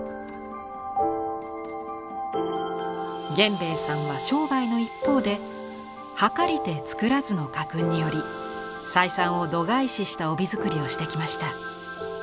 源兵衛さんは商売の一方で計りて作らずの家訓により採算を度外視した帯づくりをしてきました。